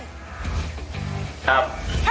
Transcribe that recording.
ครับ